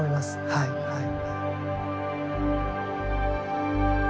はいはい。